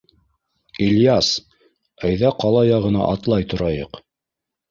— Ильяс, әйҙә ҡала яғына атлай торайыҡ.